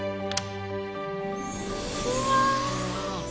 うわ！